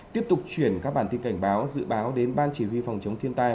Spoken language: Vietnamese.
tiếp tục chuyển các bản tin cảnh báo dự báo đến ban chỉ huy phòng chống thiên tai